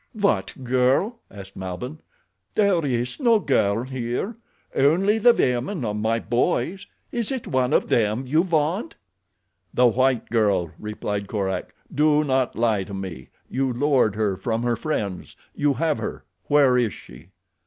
"What girl?" asked Malbihn. "There is no girl here—only the women of my boys. Is it one of them you want?" "The white girl," replied Korak. "Do not lie to me—you lured her from her friends. You have her. Where is she?"